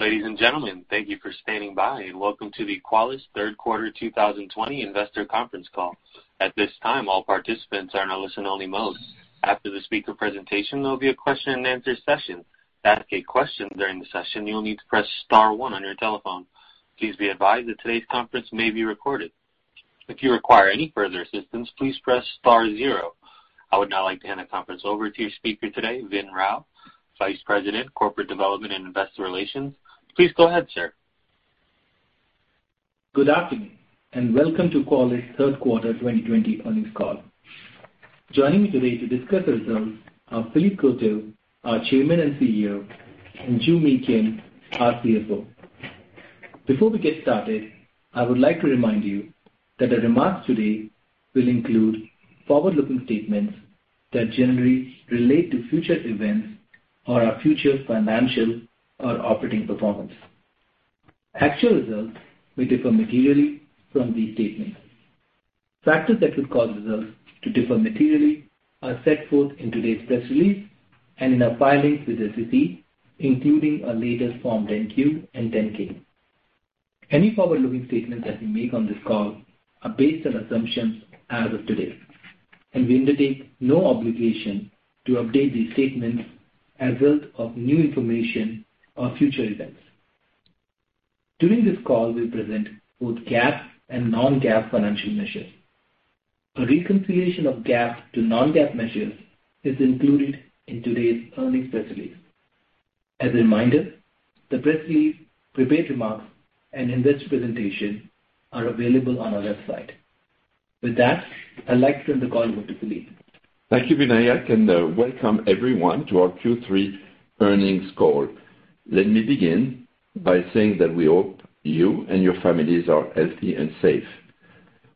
Ladies and gentlemen, thank you for standing by, and welcome to the Qualys third quarter 2020 investor conference call. At this time, all participants are in a listen only mode. After the speaker presentation, there will be a question and answer session. To ask a question during the session, you will need to press star one on your telephone. Please be advised that today's conference may be recorded. If you require any further assistance, please press star zero. I would now like to hand the conference over to your speaker today, Vinayak Rao, Vice President, Corporate Development and Investor Relations. Please go ahead, sir. Good afternoon, and welcome to Qualys third quarter 2020 earnings call. Joining me today to discuss the results are Philippe Courtot, our Chairman and CEO, and Joo Mi Kim, our CFO. Before we get started, I would like to remind you that the remarks today will include forward-looking statements that generally relate to future events or our future financial or operating performance. Actual results may differ materially from these statements. Factors that could cause results to differ materially are set forth in today's press release and in our filings with the SEC, including our latest Form 10-Q and 10-K. Any forward-looking statements that we make on this call are based on assumptions as of today, and we undertake no obligation to update these statements as a result of new information or future events. During this call, we present both GAAP and Non-GAAP financial measures. A reconciliation of GAAP to Non-GAAP measures is included in today's earnings press release. As a reminder, the press release, prepared remarks, and investor presentation are available on our website. With that, I'd like to turn the call over to Philippe. Thank you, Vinayak, welcome everyone to our Q3 earnings call. Let me begin by saying that we hope you and your families are healthy and safe.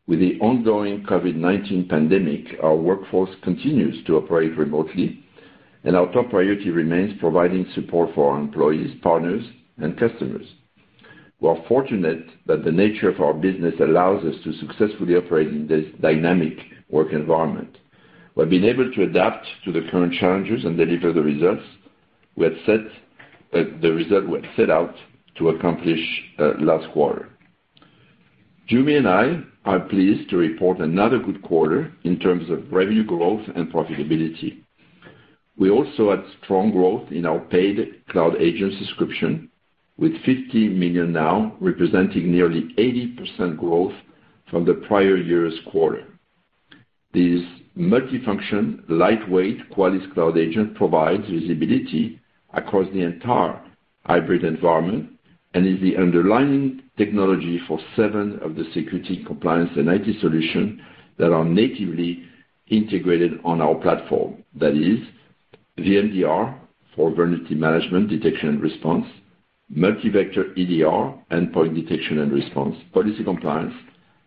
With the ongoing COVID-19 pandemic, our workforce continues to operate remotely, and our top priority remains providing support for our employees, partners, and customers. We're fortunate that the nature of our business allows us to successfully operate in this dynamic work environment. We've been able to adapt to the current challenges and deliver the results we had set out to accomplish last quarter. Joo Mi and I are pleased to report another good quarter in terms of revenue growth and profitability. We also had strong growth in our paid cloud agent subscription, with 50 million now representing nearly 80% growth from the prior year's quarter. This multifunction, lightweight Qualys Cloud Agent provides visibility across the entire hybrid environment and is the underlying technology for seven of the security compliance and IT solutions that are natively integrated on our platform. That is VMDR for Vulnerability Management, Detection, and Response, Multi-Vector EDR, Endpoint Detection and Response, Policy Compliance,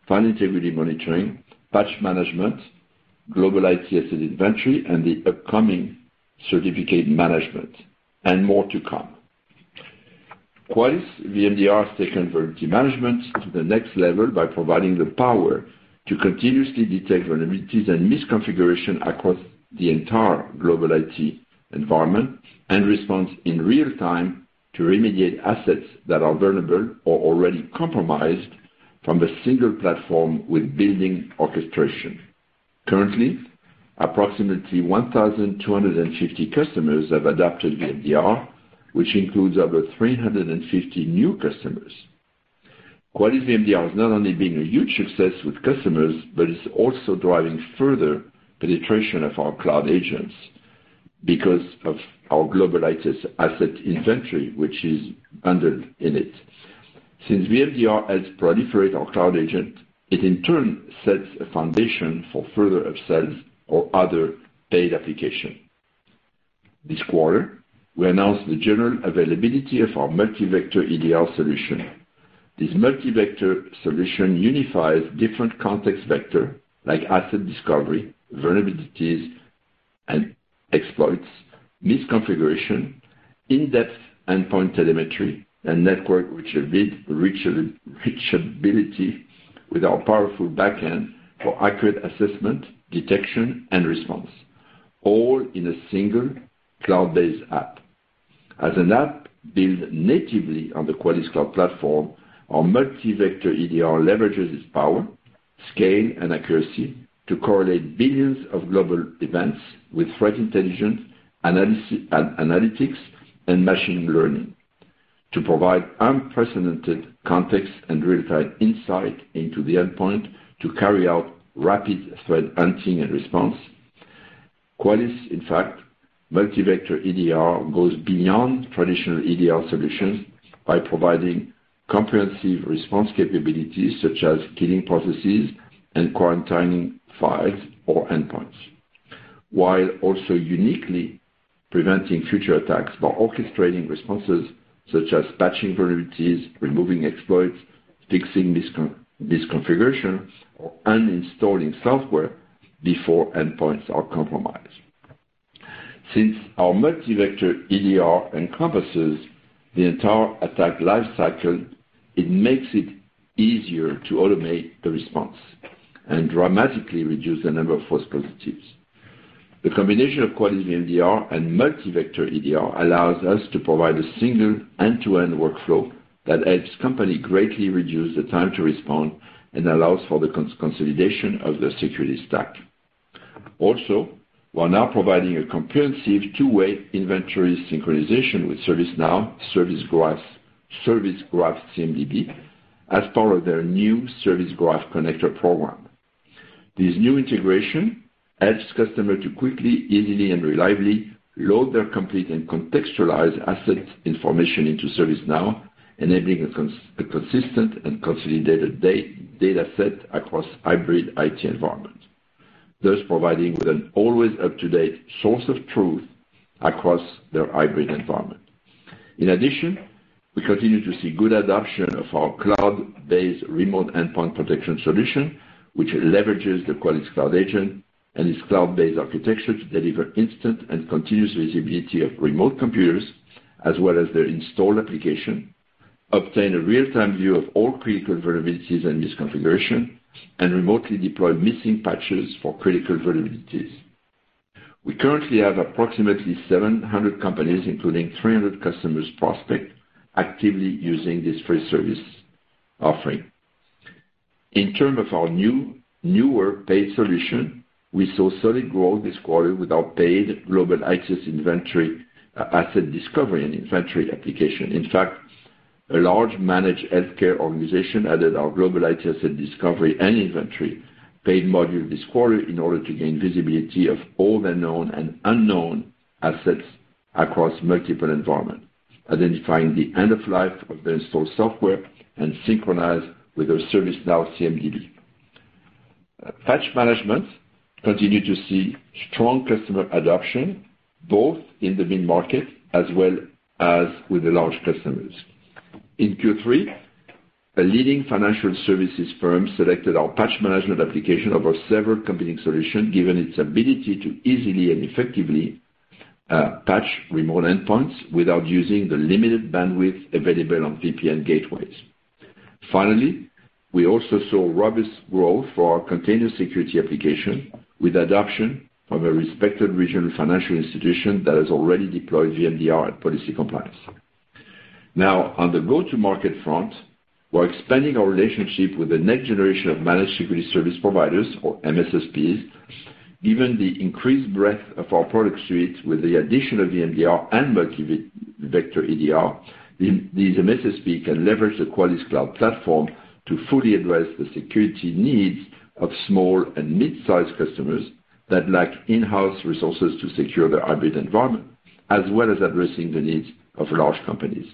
File Integrity Monitoring, Patch Management, Global IT Asset Inventory, and the upcoming Certificate Management, and more to come. Qualys VMDR has taken Vulnerability Management to the next level by providing the power to continuously detect vulnerabilities and misconfiguration across the entire global IT environment and responds in real time to remediate assets that are vulnerable or already compromised from a single platform with built-in orchestration. Currently, approximately 1,250 customers have adopted VMDR, which includes over 350 new customers. Qualys VMDR has not only been a huge success with customers, but it's also driving further penetration of our Cloud Agents because of our Global IT Asset Inventory, which is bundled in it. Since VMDR has proliferated our Cloud Agent, it in turn sets a foundation for further upsells or other paid application. This quarter, we announced the general availability of our Multi-Vector EDR solution. This Multi-Vector solution unifies different context vector like asset discovery, vulnerabilities and exploits, misconfiguration, in-depth endpoint telemetry, and network reachability with our powerful backend for accurate assessment, detection, and response, all in a single cloud-based app. As an app built natively on the Qualys cloud platform, our Multi-Vector EDR leverages its power, scale, and accuracy to correlate billions of global events with threat intelligence, analytics, and machine learning to provide unprecedented context and real-time insight into the endpoint to carry out rapid threat hunting and response. Qualys, in fact, Multi-Vector EDR goes beyond traditional EDR solutions by providing comprehensive response capabilities such as killing processes and quarantining files or endpoints, while also uniquely preventing future attacks by orchestrating responses such as patching vulnerabilities, removing exploits, fixing misconfigurations, or uninstalling software before endpoints are compromised. Since our Multi-Vector EDR encompasses the entire attack life cycle, it makes it easier to automate the response and dramatically reduce the number of false positives. The combination of Qualys VMDR and Multi-Vector EDR allows us to provide a single end-to-end workflow that helps companies greatly reduce the time to respond and allows for the consolidation of the security stack. We're now providing a comprehensive two-way inventory synchronization with ServiceNow Service Graph CMDB as part of their new Service Graph connector program. This new integration helps customers to quickly, easily, and reliably load their complete and contextualized asset information into ServiceNow, enabling a consistent and consolidated data set across hybrid IT environments, thus providing with an always up-to-date source of truth across their hybrid environment. In addition, we continue to see good adoption of our cloud-based remote endpoint protection solution, which leverages the Qualys Cloud Agent and its cloud-based architecture to deliver instant and continuous visibility of remote computers as well as their installed application, obtain a real-time view of all critical vulnerabilities and misconfigurations, and remotely deploy missing patches for critical vulnerabilities. We currently have approximately 700 companies, including 300 customers prospect, actively using this free service offering. In terms of our newer paid solution, we saw solid growth this quarter with our paid Global IT Asset Discovery and Inventory application. In fact, a large managed healthcare organization added our Global IT Asset Discovery and Inventory paid module this quarter in order to gain visibility of all their known and unknown assets across multiple environments, identifying the end of life of their installed software and synchronize with their ServiceNow CMDB. Patch Management continued to see strong customer adoption, both in the mid-market as well as with the large customers. In Q3, a leading financial services firm selected our Patch Management application over several competing solutions, given its ability to easily and effectively patch remote endpoints without using the limited bandwidth available on VPN gateways. Finally, we also saw robust growth for our Container Security application with adoption from a respected regional financial institution that has already deployed VMDR and Policy Compliance. Now, on the go-to-market front, we're expanding our relationship with the next generation of managed security service providers, or MSSPs. Given the increased breadth of our product suite with the addition of VMDR and Multi-Vector EDR, these MSSP can leverage the Qualys Cloud Platform to fully address the security needs of small and mid-sized customers that lack in-house resources to secure their hybrid environment, as well as addressing the needs of large companies.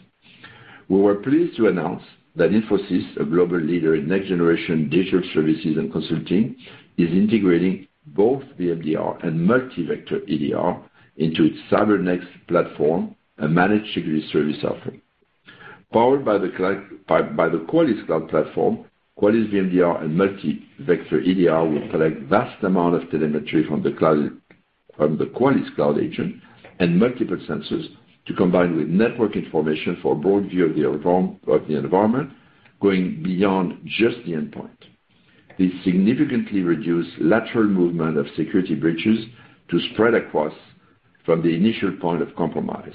We were pleased to announce that Infosys, a global leader in next-generation digital services and consulting, is integrating both VMDR and Multi-Vector EDR into its CyberNext platform, a managed security service offering. Powered by the Qualys Cloud Platform, Qualys VMDR and Multi-Vector EDR will collect vast amounts of telemetry from the Qualys Cloud Agent and multiple sensors to combine with network information for a broad view of the environment, going beyond just the endpoint. This significantly reduced lateral movement of security breaches to spread across from the initial point of compromise.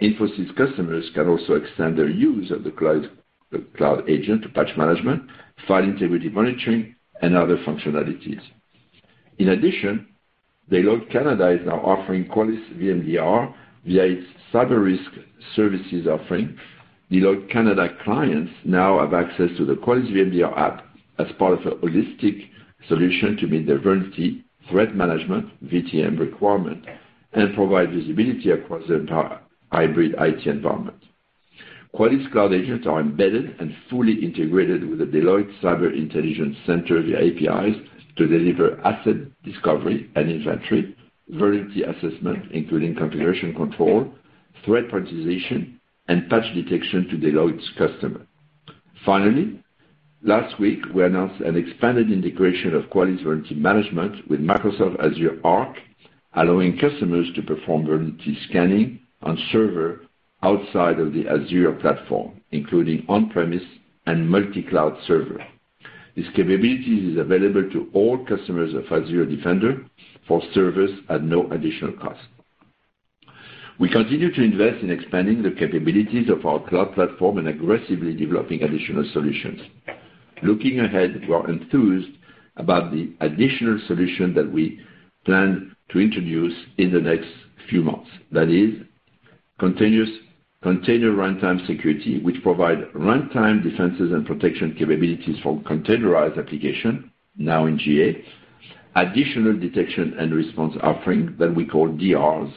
Infosys customers can also extend their use of the Cloud Agent to Patch Management, File Integrity Monitoring, and other functionalities. Deloitte Canada is now offering Qualys VMDR via its cyber risk services offering. Deloitte Canada clients now have access to the Qualys VMDR app as part of a holistic solution to meet their vulnerability threat management, VTM requirement, and provide visibility across their hybrid IT environment. Qualys Cloud Agents are embedded and fully integrated with the Deloitte Cyber Intelligence Centre via APIs to deliver asset discovery and inventory, vulnerability assessment, including configuration control, threat prioritization, and patch detection to Deloitte's customer. Last week, we announced an expanded integration of Qualys Vulnerability Management with Microsoft Azure Arc, allowing customers to perform vulnerability scanning on servers outside of the Azure platform, including on-premises and multi-cloud servers. This capability is available to all customers of Azure Defender for servers at no additional cost. We continue to invest in expanding the capabilities of our cloud platform and aggressively developing additional solutions. Looking ahead, we are enthused about the additional solution that we plan to introduce in the next few months. That is Container Runtime Security, which provide runtime defenses and protection capabilities for containerized application, now in GA. Additional detection and response offering that we call DRs,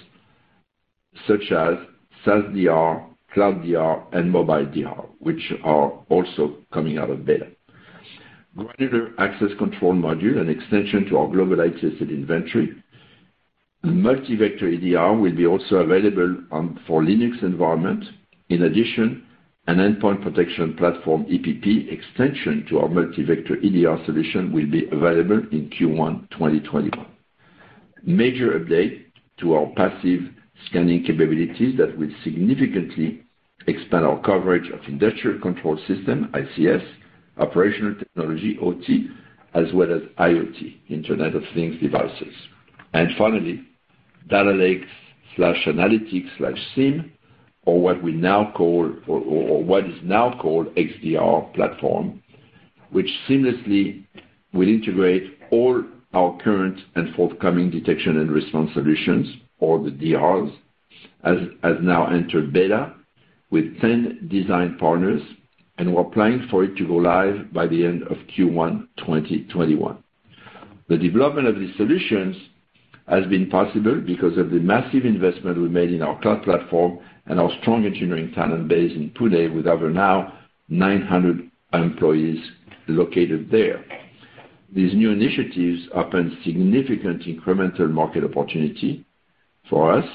such as Qualys SaaSDR, Qualys Cloud Detection and Response, and Qualys VMDR for Mobile Devices, which are also coming out of beta. Granular access control module and extension to our Global IT Asset Inventory. Multi-Vector EDR will be also available for Linux environment. In addition, an Endpoint Protection Platform, EPP, extension to our Multi-Vector EDR solution will be available in Q1 2021. Major update to our passive scanning capabilities that will significantly expand our coverage of Industrial Control Systems, ICS, operational technology, OT, as well as IoT, Internet of Things devices. Finally, data lake/analytics/SIEM, or what is now called XDR platform, which seamlessly will integrate all our current and forthcoming detection and response solutions, or the DRs, has now entered beta with 10 design partners, and we're planning for it to go live by the end of Q1 2021. The development of these solutions has been possible because of the massive investment we made in our cloud platform and our strong engineering talent base in Pune, with over 900 employees located there. These new initiatives open significant incremental market opportunity for us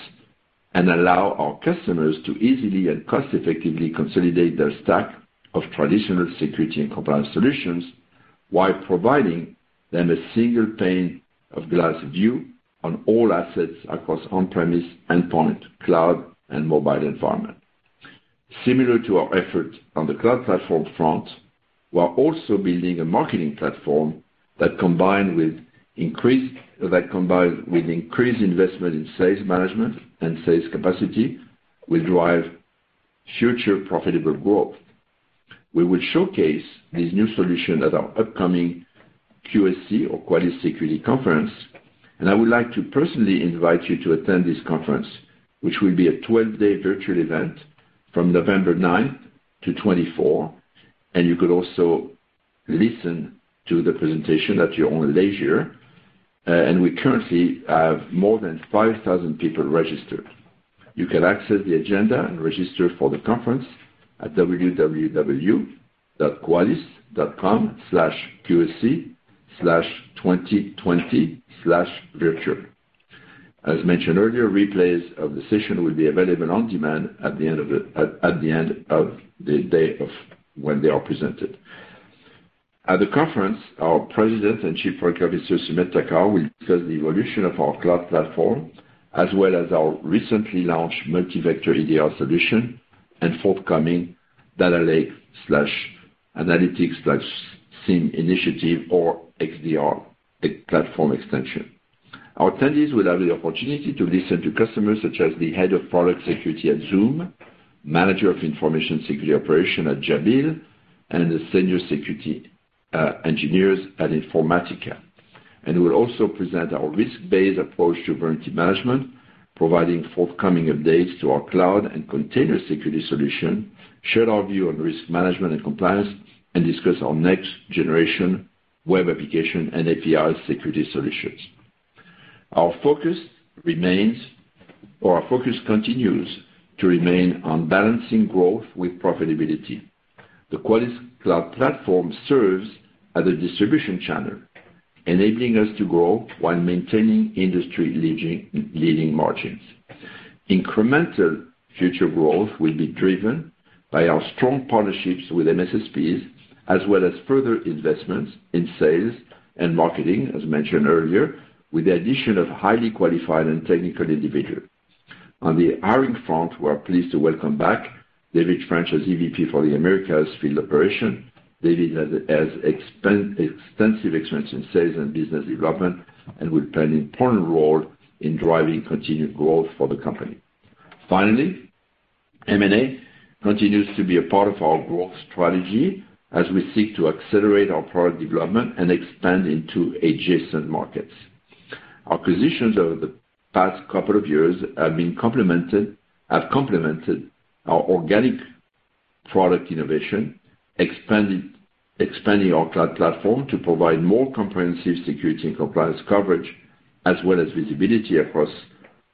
and allow our customers to easily and cost-effectively consolidate their stack of traditional security and compliance solutions while providing them a single pane of glass view on all assets across on-premise, endpoint, cloud, and mobile environment. Similar to our effort on the cloud platform front, we are also building a marketing platform that, combined with increased investment in sales management and sales capacity, will drive future profitable growth. We will showcase this new solution at our upcoming QSC or Qualys Security Conference. I would like to personally invite you to attend this conference, which will be a 12-day virtual event from November ninth to 24. You could also listen to the presentation at your own leisure. We currently have more than 5,000 people registered. You can access the agenda and register for the conference at www.qualys.com/qsc/2020/virtual. As mentioned earlier, replays of the session will be available on demand at the end of the day of when they are presented. At the conference, our President and Chief Product Officer, Sumedh Thakar, will discuss the evolution of our cloud platform, as well as our recently launched Multi-Vector EDR solution and forthcoming data lake/analytics/SIEM initiative or XDR platform extension. Our attendees will have the opportunity to listen to customers such as the head of product security at Zoom, manager of information security operation at Jabil, and the senior security engineers at Informatica. We'll also present our risk-based approach to Vulnerability Management, providing forthcoming updates to our cloud and Container Security solution, share our view on risk management and compliance, and discuss our next generation web application and API security solutions. Our focus continues to remain on balancing growth with profitability. The Qualys cloud platform serves as a distribution channel, enabling us to grow while maintaining industry-leading margins. Incremental future growth will be driven by our strong partnerships with MSSPs, as well as further investments in sales and marketing, as mentioned earlier, with the addition of highly qualified and technical individuals. On the hiring front, we are pleased to welcome back David French as EVP for the Americas Field Operation. David has extensive experience in sales and business development and will play an important role in driving continued growth for the company. Finally, M&A continues to be a part of our growth strategy as we seek to accelerate our product development and expand into adjacent markets. Acquisitions over the past couple of years have complemented our organic product innovation, expanding our cloud platform to provide more comprehensive security and compliance coverage as well as visibility across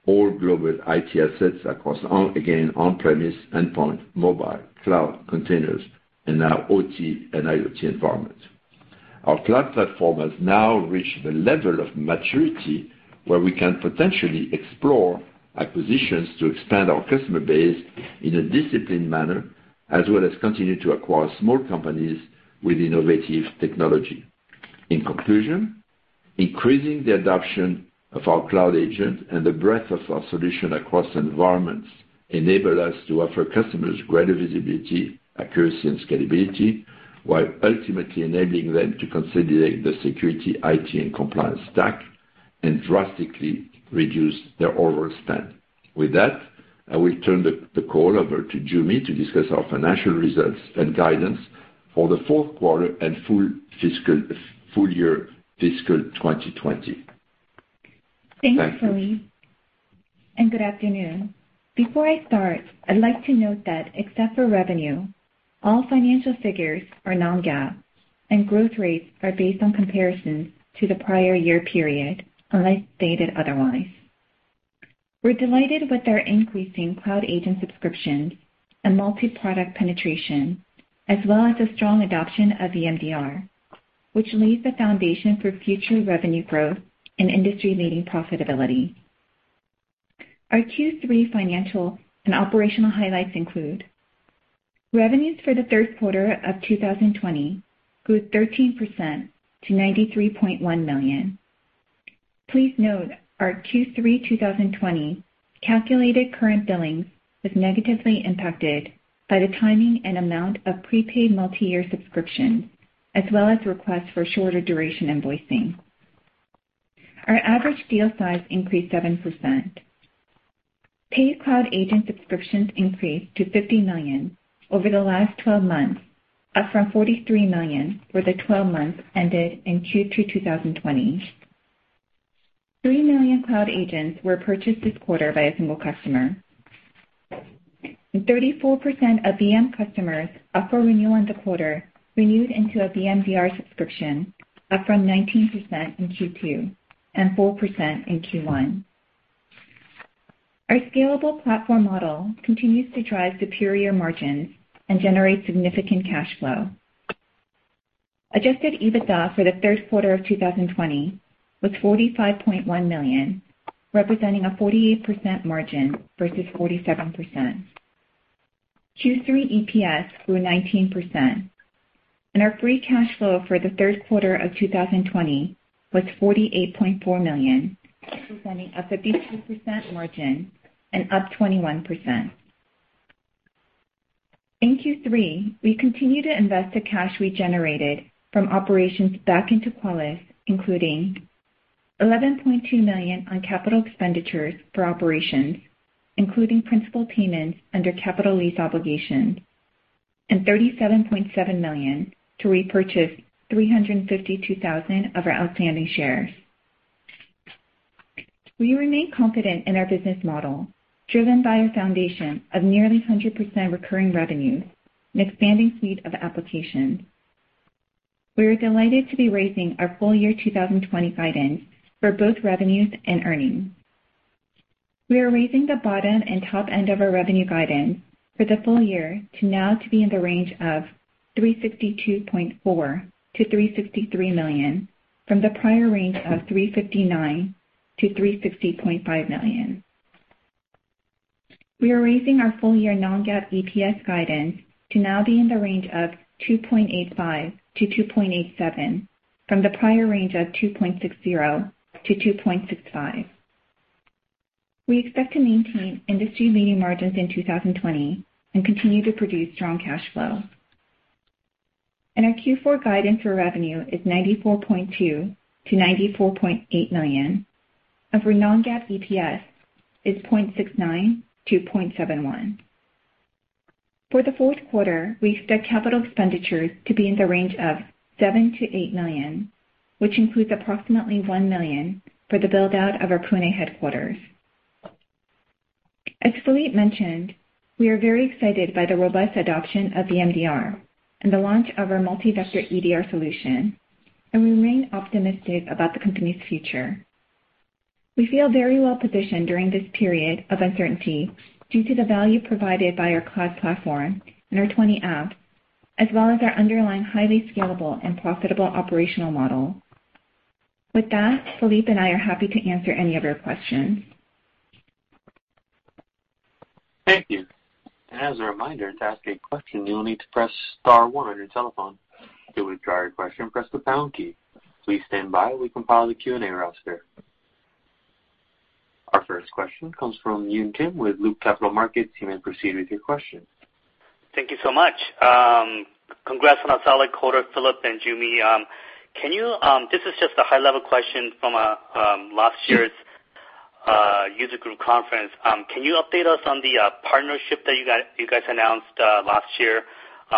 all global IT assets across, again, on-premise, endpoint, mobile, cloud, containers, and now OT and IoT environments. Our cloud platform has now reached the level of maturity where we can potentially explore acquisitions to expand our customer base in a disciplined manner, as well as continue to acquire small companies with innovative technology. In conclusion, increasing the adoption of our Qualys Cloud Agent and the breadth of our solution across environments enable us to offer customers greater visibility, accuracy, and scalability while ultimately enabling them to consolidate the security, IT, and compliance stack and drastically reduce their overall spend. With that, I will turn the call over to Joo Mi to discuss our financial results and guidance for the fourth quarter and full year fiscal 2020. Thank you. Thanks, Philippe, and good afternoon. Before I start, I'd like to note that except for revenue, all financial figures are Non-GAAP, and growth rates are based on comparisons to the prior year period, unless stated otherwise. We're delighted with our increasing Cloud Agent subscriptions and multi-product penetration, as well as the strong adoption of VMDR, which lays the foundation for future revenue growth and industry-leading profitability. Our Q3 financial and operational highlights include revenues for the third quarter of 2020 grew 13% to $93.1 million. Please note our Q3 2020 calculated current billing was negatively impacted by the timing and amount of prepaid multi-year subscription, as well as requests for shorter duration invoicing. Our average deal size increased 7%. Paid Cloud Agent subscriptions increased to 50 million over the last 12 months, up from 43 million for the 12 months ended in Q3 2020. 3 million cloud agents were purchased this quarter by a single customer. 34% of VM customers up for renewal in the quarter renewed into a VMDR subscription, up from 19% in Q2 and 4% in Q1. Our scalable platform model continues to drive superior margins and generate significant cash flow. Adjusted EBITDA for the third quarter of 2020 was $45.1 million, representing a 48% margin versus 47%. Q3 EPS grew 19%, and our free cash flow for the third quarter of 2020 was $48.4 million, representing a 52% margin and up 21%. In Q3, we continued to invest the cash we generated from operations back into Qualys, including $11.2 million on capital expenditures for operations, including principal payments under capital lease obligations, and $37.7 million to repurchase 352,000 of our outstanding shares. We remain confident in our business model, driven by a foundation of nearly 100% recurring revenues, an expanding suite of applications. We are delighted to be raising our full year 2020 guidance for both revenues and earnings. We are raising the bottom and top end of our revenue guidance for the full year to now to be in the range of $362.4 million-$363 million from the prior range of $359 million-$360.5 million. We are raising our full-year Non-GAAP EPS guidance to now be in the range of $2.85-$2.87 from the prior range of $2.60-$2.65. We expect to maintain industry-leading margins in 2020 and continue to produce strong cash flow. Our Q4 guidance for revenue is $94.2 million-$94.8 million, and for Non-GAAP EPS is $0.69-$0.71. For the fourth quarter, we expect capital expenditures to be in the range of $7 million-$8 million, which includes approximately $1 million for the build-out of our Pune headquarters. As Philippe mentioned, we are very excited by the robust adoption of VMDR and the launch of our Multi-Vector EDR solution, and we remain optimistic about the company's future. We feel very well positioned during this period of uncertainty due to the value provided by our cloud platform and our 20 apps, as well as our underlying highly scalable and profitable operational model. With that, Philippe and I are happy to answer any of your questions. Thank you. As a reminder, to ask a question, you will need to press star one on your telephone. To withdraw your question, press the pound key. Please stand by while we compile the Q&A roster. Our first question comes from Yoon Kim with Loop Capital Markets. You may proceed with your question. Thank you so much. Congrats on a solid quarter, Philippe and Joo Mi. This is just a high-level question from last year's user group conference. Can you update us on the partnership that you guys announced last year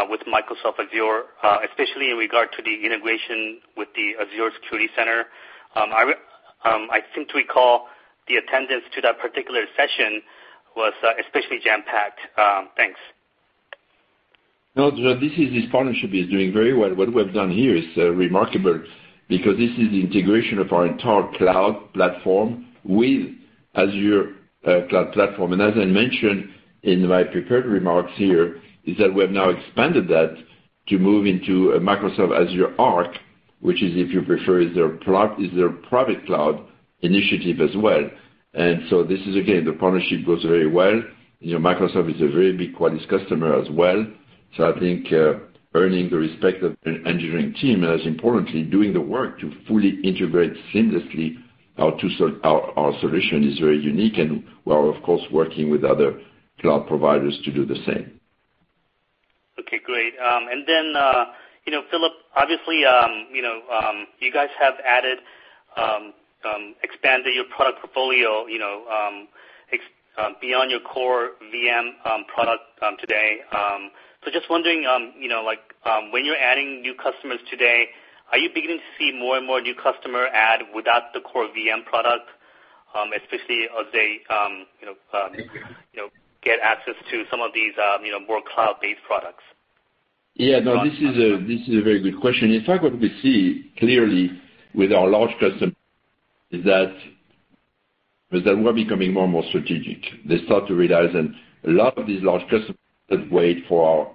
with Microsoft Azure, especially in regard to the integration with the Azure Security Center? I seem to recall the attendance to that particular session was especially jam-packed. Thanks. No, this partnership is doing very well. What we have done here is remarkable because this is the integration of our entire cloud platform with Azure cloud platform. As I mentioned in my prepared remarks here, is that we have now expanded that to move into Microsoft Azure Arc, which is, if you prefer, is their private cloud initiative as well. This is, again, the partnership goes very well. Microsoft is a very big Qualys customer as well. I think earning the respect of an engineering team and as importantly, doing the work to fully integrate seamlessly our solution is very unique and we are, of course, working with other cloud providers to do the same. Okay, great. Philippe, obviously you guys have expanded your product portfolio beyond your core VM product today. Just wondering, when you're adding new customers today, are you beginning to see more and more new customer add without the core VM product, especially as they get access to some of these more cloud-based products? No, this is a very good question. In fact, what we see clearly with our large customers is that we're becoming more and more strategic. They start to realize, and a lot of these large customers wait for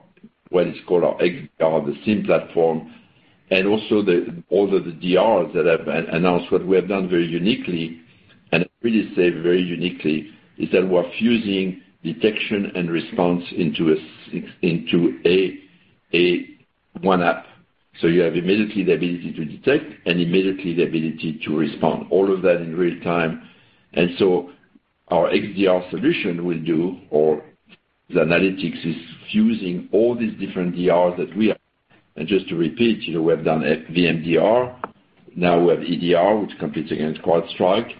what is called our XDR, the SIEM platform, and also all of the DRs that I've announced. What we have done very uniquely. I really say very uniquely is that we're fusing detection and response into one app. You have immediately the ability to detect and immediately the ability to respond, all of that in real time. Our XDR solution will do, or the analytics, is fusing all these different DRs that we have. Just to repeat, we have done VMDR, now we have EDR, which competes against CrowdStrike.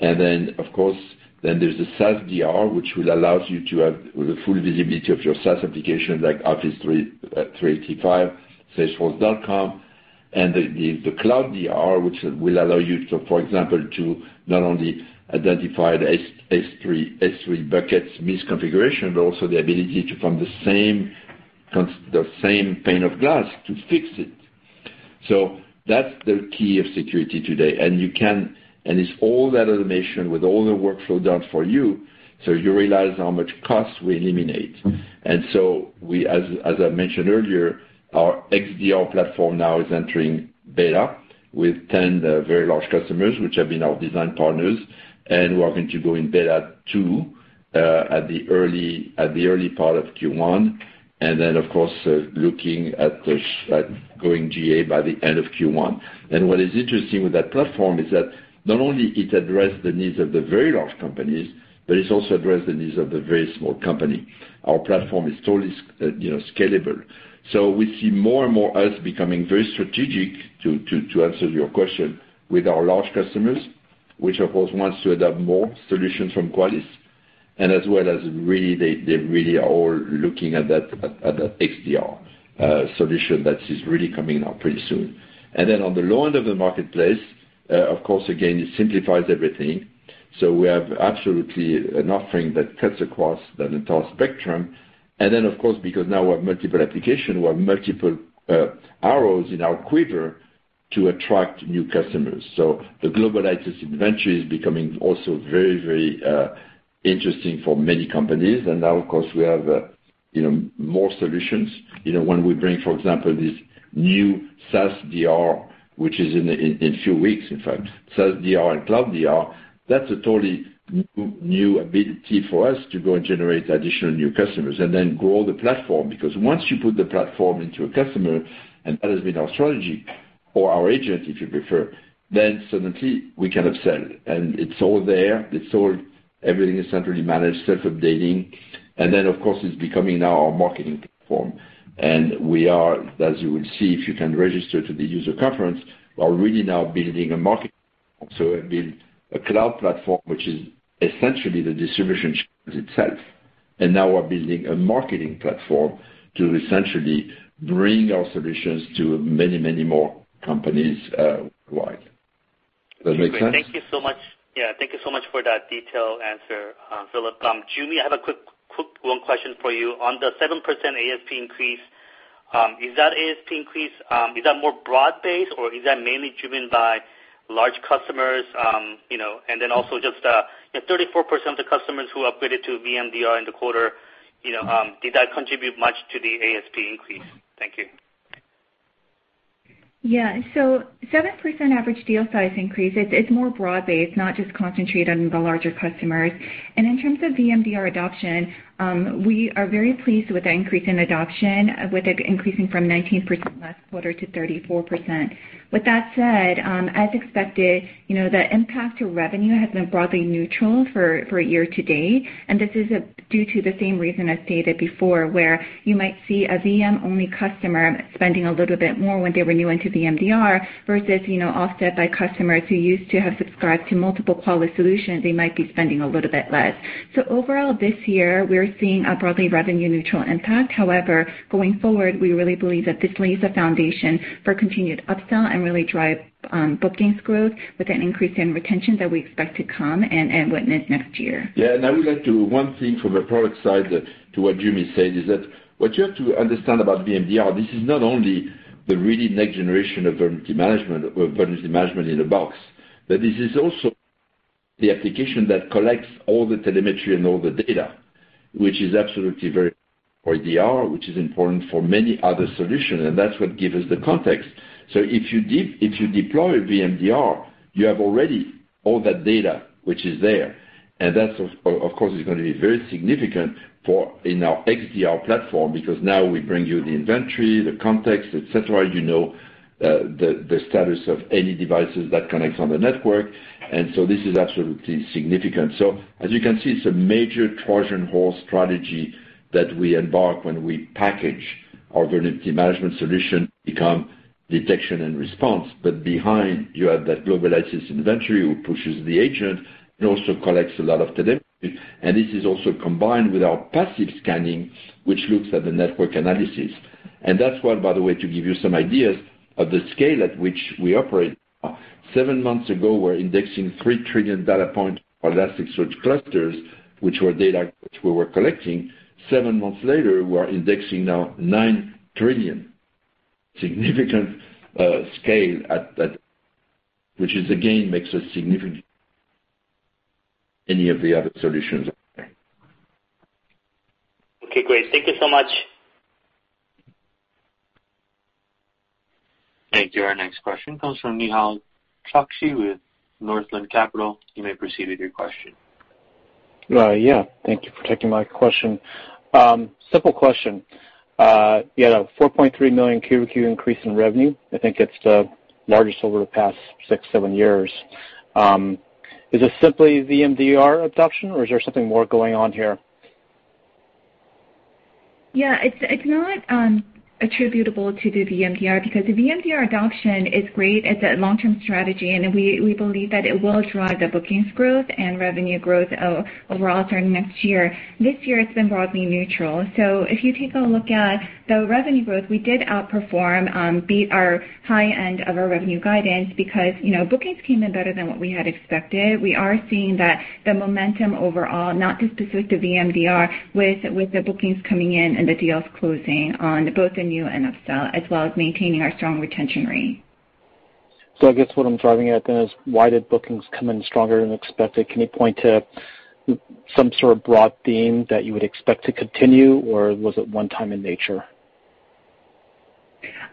Of course, then there's the SaaSDR, which will allow you to have the full visibility of your SaaS application, like Office 365, salesforce.com, and the Cloud DR, which will allow you to, for example, to not only identify the S3 buckets misconfiguration, but also the ability to, from the same pane of glass, to fix it. That's the key of security today. It's all that automation with all the workflow done for you, so you realize how much cost we eliminate. As I mentioned earlier, our XDR platform now is entering beta with 10 very large customers, which have been our design partners, and we are going to go in beta 2 at the early part of Q1. Of course, looking at going GA by the end of Q1. What is interesting with that platform is that not only it addresses the needs of the very large companies, but it also addresses the needs of the very small company. Our platform is totally scalable. We see more and more us becoming very strategic, to answer your question, with our large customers, which, of course, want to adopt more solutions from Qualys. As well as they really are all looking at that XDR solution that is really coming out pretty soon. On the low end of the marketplace, of course, again, it simplifies everything. We have absolutely an offering that cuts across the entire spectrum. Of course, because now we have multiple applications, we have multiple arrows in our quiver to attract new customers. The Global IT Asset Inventory is becoming also very interesting for many companies. Now, of course, we have more solutions. When we bring, for example, this new Qualys SaaSDR, which is in few weeks, in fact, Qualys SaaSDR and Cloud DR, that's a totally new ability for us to go and generate additional new customers and then grow the platform. Once you put the platform into a customer, and that has been our strategy or our agent, if you prefer, then suddenly we can upsell. It's all there. Everything is centrally managed, self-updating. Of course, it's becoming now our marketing platform. We are, as you will see, if you can register to the Qualys Security Conference, we are really now building a marketing platform. We have built a cloud platform, which is essentially the distribution itself. Now we're building a marketing platform to essentially bring our solutions to many more companies worldwide. Does that make sense? Great. Thank you so much for that detailed answer, Philippe. Joo Mi, I have a quick one question for you. On the 7% ASP increase, is that ASP increase more broad-based, or is that mainly driven by large customers? Also just, 34% of the customers who upgraded to VMDR in the quarter, did that contribute much to the ASP increase? Thank you. Yeah. 7% average deal size increase, it's more broad-based, not just concentrated on the larger customers. In terms of VMDR adoption, we are very pleased with the increase in adoption, with it increasing from 19% last quarter to 34%. With that said, as expected, the impact to revenue has been broadly neutral for year-to-date, this is due to the same reason as stated before, where you might see a VM-only customer spending a little bit more when they renew into VMDR versus offset by customers who used to have subscribed to multiple Qualys solutions, they might be spending a little bit less. Overall this year, we're seeing a broadly revenue neutral impact. However, going forward, we really believe that this lays a foundation for continued upsell and really drive bookings growth with an increase in retention that we expect to come and witness next year. I would like to, one thing from a product side to what Joo Mi said, is that what you have to understand about VMDR, this is not only the really next generation of Vulnerability Management in a box, but this is also the application that collects all the telemetry and all the data, which is absolutely very for EDR, which is important for many other solution, that's what gives us the context. If you deploy VMDR, you have already all that data which is there, that's, of course, is going to be very significant in our XDR platform because now we bring you the inventory, the context, et cetera, you know the status of any devices that connects on the network, this is absolutely significant. As you can see, it's a major Trojan horse strategy that we embark when we package our Vulnerability Management solution become Detection and Response. Behind, you have that Global IT Asset Inventory who pushes the agent and also collects a lot of telemetry. This is also combined with our passive scanning, which looks at the network analysis. That's why, by the way, to give you some ideas of the scale at which we operate now. seven months ago, we were indexing 3 trillion data points for Elasticsearch clusters, which were data which we were collecting. Seven months later, we are indexing now 9 trillion. Significant scale at that, which is again, makes us significant than any of the other solutions. Okay, great. Thank you so much. Thank you. Our next question comes from Nehal Chokshi with Northland Capital. You may proceed with your question. Yeah. Thank you for taking my question. Simple question. You had a $4.3 million Q/Q increase in revenue. I think it's the largest over the past six, seven years. Is this simply VMDR adoption, or is there something more going on here? It's not attributable to the VMDR because the VMDR adoption is great as a long-term strategy, and we believe that it will drive the bookings growth and revenue growth overall during next year. This year it's been broadly neutral. If you take a look at the revenue growth, we did outperform, beat our high end of our revenue guidance because bookings came in better than what we had expected. We are seeing that the momentum overall, not just specific toVMDR, with the bookings coming in and the deals closing on both the new and upsell, as well as maintaining our strong retention rate. I guess what I'm driving at then is why did bookings come in stronger than expected? Can you point to some sort of broad theme that you would expect to continue, or was it one time in nature?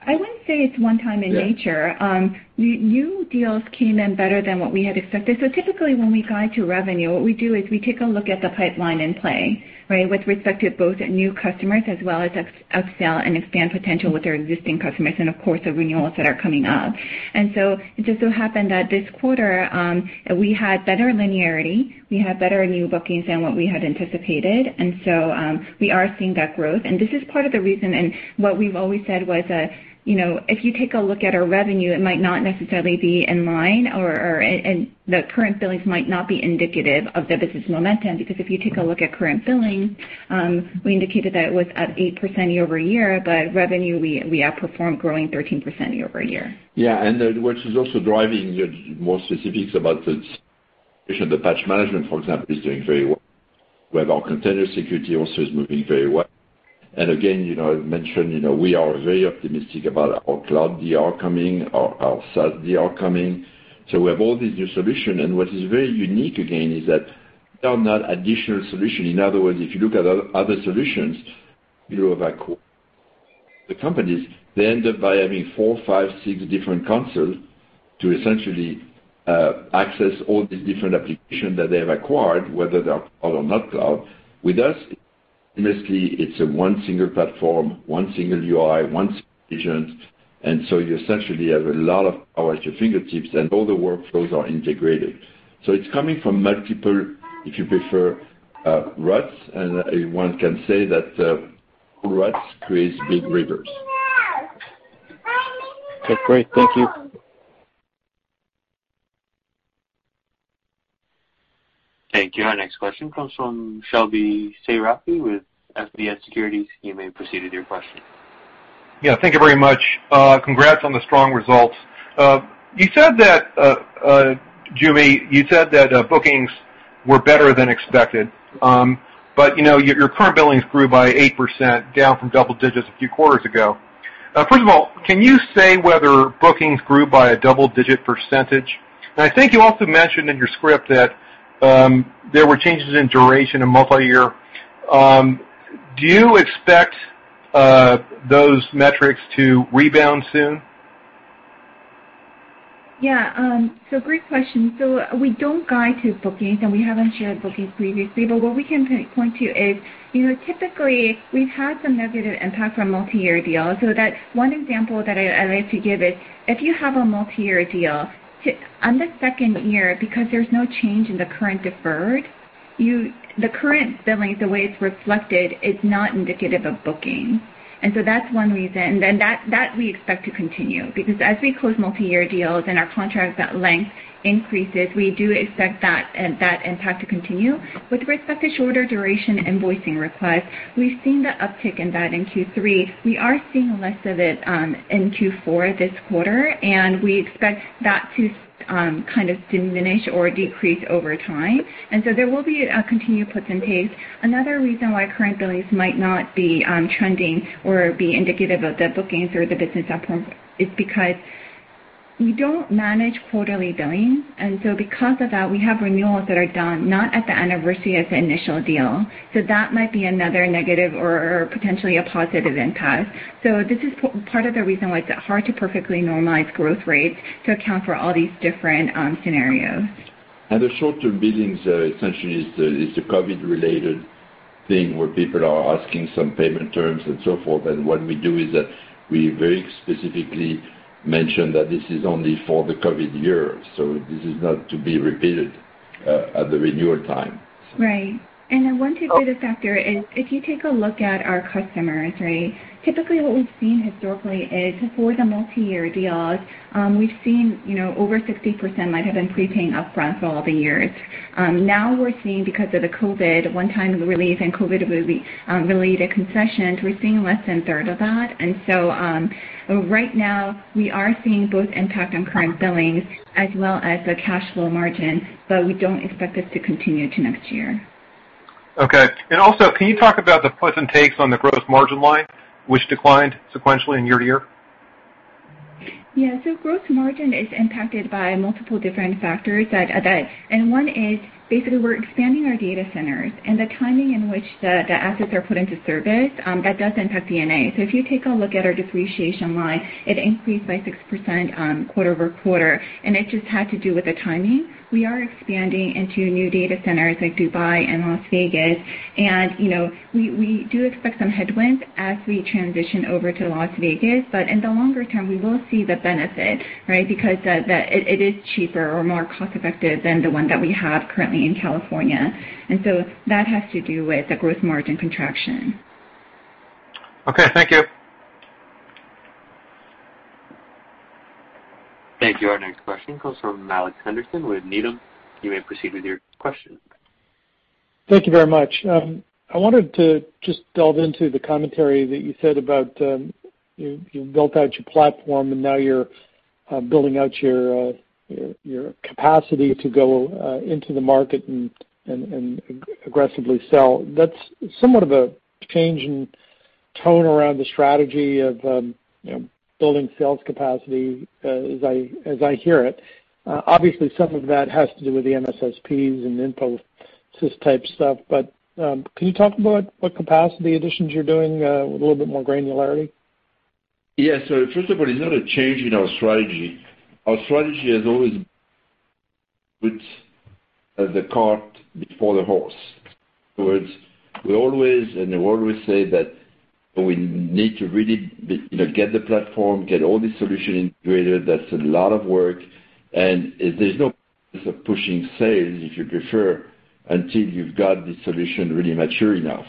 I wouldn't say it's one time in nature. Yeah. New deals came in better than what we had expected. Typically when we guide to revenue, what we do is we take a look at the pipeline in play, right? With respect to both new customers as well as upsell and expand potential with our existing customers and of course, the renewals that are coming up. It just so happened that this quarter, we had better linearity. We had better new bookings than what we had anticipated. We are seeing that growth. This is part of the reason, and what we've always said was that if you take a look at our revenue, it might not necessarily be in line or the current billings might not be indicative of the business momentum. If you take a look at current billing, we indicated that it was up 8% year-over-year, but revenue we outperformed growing 13% year-over-year. Yeah, what is also driving more specifics about the Patch Management, for example, is doing very well. We have our Container Security also is moving very well. Again, I mentioned we are very optimistic about our Cloud DR coming, our SaaS DR coming. We have all these new solutions, and what is very unique again is that they are not additional solutions. In other words, if you look at other solutions you have acquired, the companies, they end up by having four, five, six different consoles to essentially access all these different applications that they have acquired, whether they are cloud or not cloud. With us, it's seamlessly, it's one single platform, one single UI, one single agent, and so you essentially have a lot of power at your fingertips, and all the workflows are integrated. It's coming from multiple, if you prefer, ruts, and one can say that ruts create big rivers. That's great. Thank you. Thank you. Our next question comes from Shebly Seyrafi with FBN Securities. You may proceed with your question. Yeah, thank you very much. Congrats on the strong results. Joo Mi, you said that bookings were better than expected, but your current billings grew by 8%, down from double digits a few quarters ago. First of all, can you say whether bookings grew by a double-digit percentage? I think you also mentioned in your script that there were changes in duration in multi-year. Do you expect those metrics to rebound soon? Yeah. Great question. We don't guide to bookings, and we haven't shared bookings previously. What we can point to is, typically we've had some negative impact from multi-year deals. That one example that I like to give is if you have a multi-year deal, on the second year, because there's no change in the current deferred, the current billing, the way it's reflected is not indicative of bookings. That's one reason. That we expect to continue, because as we close multi-year deals and our contract at length increases, we do expect that impact to continue. With respect to shorter duration invoicing requests, we've seen the uptick in that in Q3. We are seeing less of it in Q4 this quarter, and we expect that to kind of diminish or decrease over time. There will be a continued puts and takes. Another reason why current billings might not be trending or be indicative of the bookings or the business upfront is because we don't manage quarterly billing. Because of that, we have renewals that are done not at the anniversary of the initial deal. That might be another negative or potentially a positive impact. This is part of the reason why it's hard to perfectly normalize growth rates to account for all these different scenarios. The short-term billings essentially is the COVID-related thing where people are asking some payment terms and so forth. What we do is that we very specifically mention that this is only for the COVID year, so this is not to be repeated at the renewal time. Right. One takeaway factor is if you take a look at our customers, right? Typically, what we've seen historically is for the multi-year deals, we've seen over 60% might have been prepaying upfront for all the years. We're seeing because of the COVID-19 one-time relief and COVID-19-related concessions, we're seeing less than a third of that. Right now we are seeing both impact on current billings as well as the cash flow margin, we don't expect this to continue to next year. Okay. also, can you talk about the puts and takes on the gross margin line, which declined sequentially in year-over-year? Yeah. Gross margin is impacted by multiple different factors, and one is basically we're expanding our data centers, and the timing in which the assets are put into service, that does impact D&A. If you take a look at our depreciation line, it increased by 6% quarter-over-quarter, and it just had to do with the timing. We are expanding into new data centers like Dubai and Las Vegas. We do expect some headwinds as we transition over to Las Vegas, but in the longer term, we will see the benefit, right? Because it is cheaper or more cost-effective than the one that we have currently in California. That has to do with the gross margin contraction. Okay, thank you. Thank you. Our next question comes from Alex Henderson with Needham. You may proceed with your question. Thank you very much. I wanted to just delve into the commentary that you said about, you built out your platform and now you're building out your capacity to go into the market and aggressively sell. That's somewhat of a change in tone around the strategy of building sales capacity as I hear it. Obviously, some of that has to do with the MSSPs and Infosys type stuff, but can you talk about what capacity additions you're doing with a little bit more granularity? First of all, it's not a change in our strategy. Our strategy has always been to put the cart before the horse. In other words, we always, and I've always said that we need to really get the platform, get all the solution integrated. That's a lot of work, and there's no point of pushing sales, if you prefer, until you've got the solution really mature enough.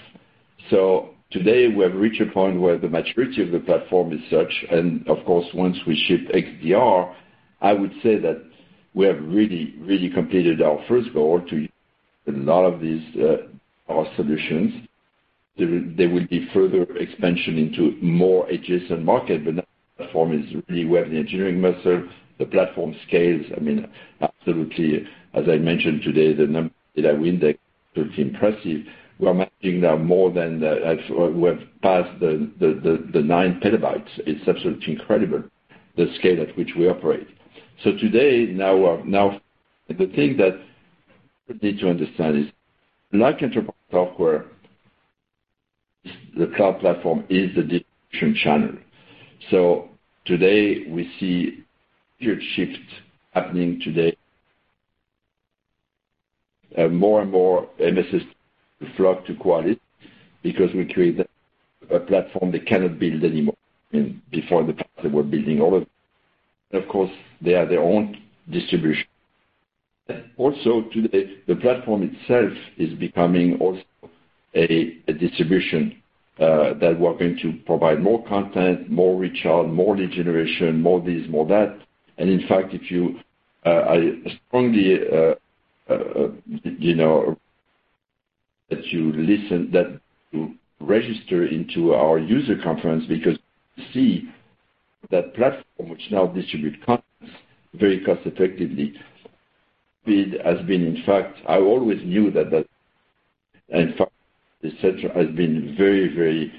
Today, we have reached a point where the maturity of the platform is such, and of course, once we ship XDR, I would say that we have really completed our first goal to a lot of these solutions. There will be further expansion into more adjacent markets, but now the platform is really where the engineering muscle, the platform scales. Absolutely, as I mentioned today, the number that we index is pretty impressive. We are matching now more than. We have passed the 9 petabytes. It's absolutely incredible, the scale at which we operate. Today, now the thing that you need to understand is like enterprise software, the cloud platform is the distribution channel. Today we see huge shifts happening today. More and more MSS flock to Qualys because we create a platform they cannot build anymore. Before the past, they were building all of it. Of course, they are their own distribution. Also today, the platform itself is becoming also a distribution that we're going to provide more content, more reach out, more lead generation, more this, more that. In fact, I strongly urge that you register into our user conference because you see that platform which now distribute content very cost-effectively. Speed has been, in fact, I always knew that, in fact, et cetera, has been very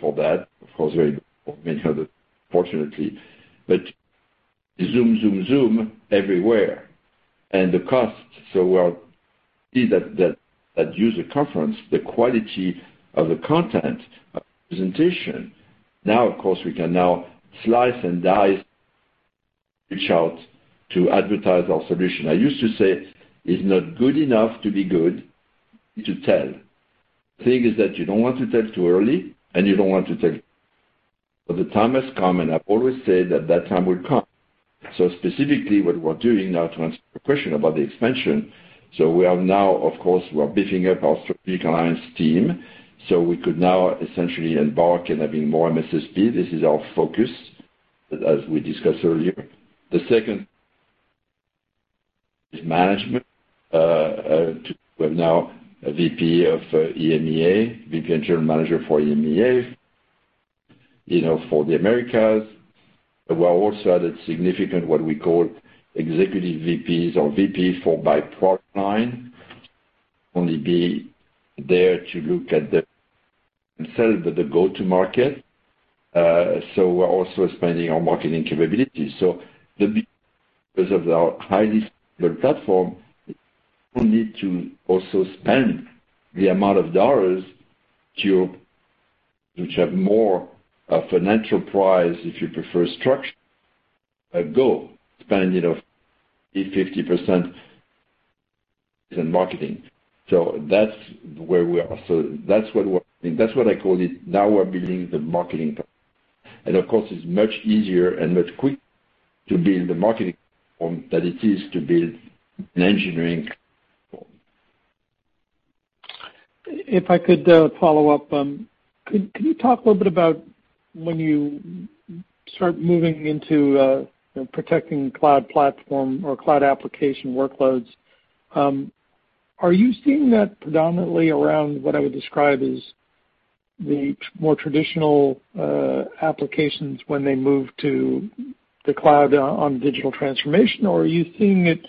for that, of course, very fortunately. Zoom everywhere, and the cost. We'll see that user conference, the quality of the content, presentation. Now, of course, we can now slice and dice, reach out to advertise our solution. I used to say it's not good enough to be good to tell. The thing is that you don't want to tell too early, and you don't want to tell. The time has come, and I've always said that that time would come. Specifically, what we're doing now to answer your question about the expansion, we are now, of course, we are beefing up our strategic alliance team, we could now essentially embark in having more MSSP. This is our focus, as we discussed earlier. The second is management. We have now a VP of EMEA, VP and General Manager for EMEA. For the Americas. We have also added significant, what we call Executive VPs or VPs for by product line. Only be there to look at the sell, but the go-to-market. We're also expanding our marketing capabilities. Because of our highly scalable platform, we don't need to also spend the amount of dollars to which have more a financial profile, if you prefer, structure, a goal. Spend it on 50% in marketing. That's where we are. That's what I call it. Now we're building the marketing platform. Of course, it's much easier and much quicker to build the marketing platform than it is to build an engineering platform. If I could follow up. Can you talk a little bit about when you start moving into protecting cloud platform or cloud application workloads? Are you seeing that predominantly around what I would describe as the more traditional applications when they move to the cloud on digital transformation? Or are you seeing it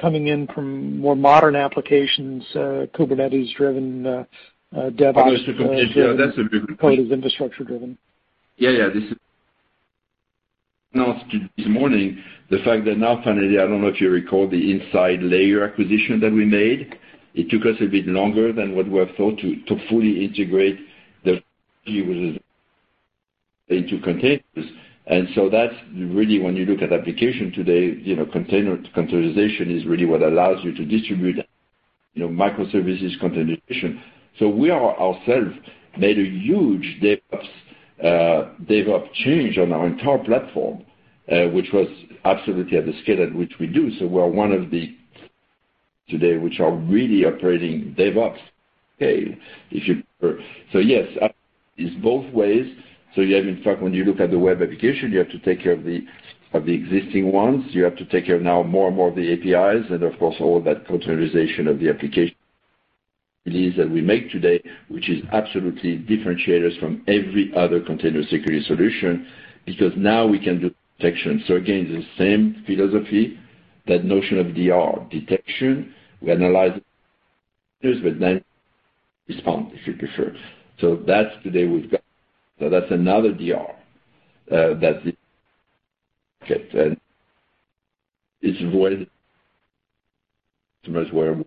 coming in from more modern applications, Kubernetes-driven, DevOps-driven? Oh, that's a good. Code as infrastructure-driven. Yeah. This announced this morning, the fact that now finally, I don't know if you recall the Layered Insight acquisition that we made. It took us a bit longer than what we have thought to fully integrate the view into containers. That's really when you look at application today, containerization is really what allows you to distribute microservices containerization. We ourselves made a huge DevOps change on our entire platform, which was absolutely at the scale at which we do. We are one of the today, which are really operating DevOps scale. Yes, it's both ways. You have, in fact, when you look at the web application, you have to take care of the existing ones. You have to take care now more and more of the APIs and of course, all that containerization of the application releases that we make today, which is absolutely differentiators from every other Container Security solution, because now we can do detection. Again, the same philosophy, that notion of DR, detection, we analyze, but then respond to be sure. That's today we've got. That's another DR that it's avoided customers where